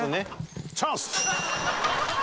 チャンス！